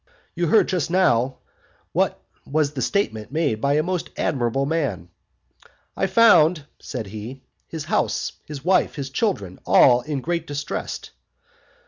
You heard just now what was the statement made by a most admirable man. I found, said he, his house, his wife, his children, all in great distress.